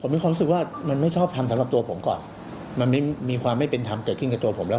มีความรู้สึกว่ามันไม่ชอบทำสำหรับตัวผมก่อนมันไม่มีความไม่เป็นธรรมเกิดขึ้นกับตัวผมแล้ว